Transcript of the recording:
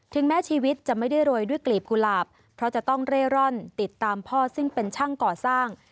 แม้ชีวิตจะไม่ได้โรยด้วยกลีบกุหลาบเพราะจะต้องเร่ร่อนติดตามพ่อซึ่งเป็นช่างก่อสร้าง